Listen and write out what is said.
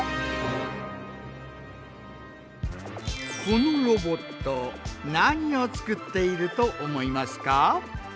このロボット何を作っていると思いますか？